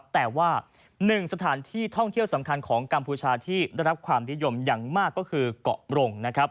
แต่ว่าหนึ่งสถานที่ท่องเที่ยวสำคัญของกัมพูชาที่ได้รับความนิยมอย่างมากก็คือเกาะรง